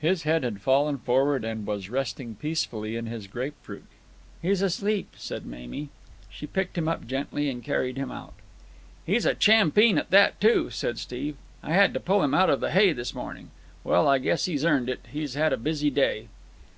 His head had fallen forward and was resting peacefully in his grapefruit. "He's asleep," said Mamie. She picked him up gently and carried him out. "He's a champeen at that too," said Steve. "I had to pull him out of the hay this morning. Well, I guess he's earned it. He's had a busy day."